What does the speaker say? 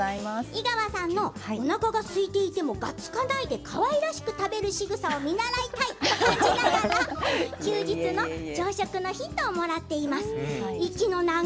井川さんの、おなかがすいていてもがっつかないでかわいらしく食べるしぐさを見習いたいと感じながら休日の朝食のヒントをもらっています。